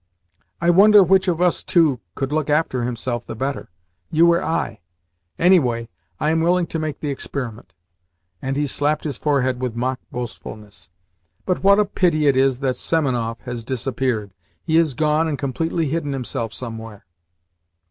I wonder which of us two could look after himself the better you or I? Anyway I am willing to make the experiment," and he slapped his forehead with mock boastfulness. "But what a pity it is that Semenoff has disappeared! He has gone and completely hidden himself somewhere."